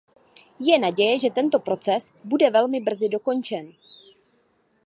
Je naděje, že tento proces bude velmi brzy dokončen.